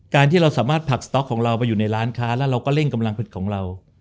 ที่เราสามารถผลักสต๊อกของเราไปอยู่ในร้านค้าแล้วเราก็เร่งกำลังผลิตของเรา